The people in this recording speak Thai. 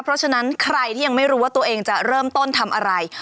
เพราะฉะนั้นใครที่ยังไม่รู้ว่าตัวเองจะเริ่มต้นทำอะไร